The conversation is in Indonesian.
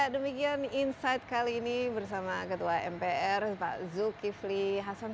demikian insight kali ini bersama ketua mpr pak zulkifli hasan